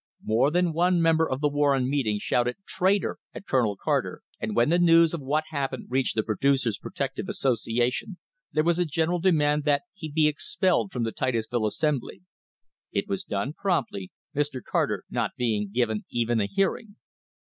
More than one member of the Warren meeting shouted "traitor" at Colonel Carter, and when the news of what happened reached the Producers' Protective Associa A MODERN WAR FOR INDEPENDENCE tion there was a general demand that he be expelled from the Titusville assembly. It was done promptly, Mr. Carter not being given even a hearing.